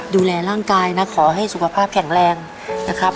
ดูแลร่างกายนะขอให้สุขภาพแข็งแรงนะครับ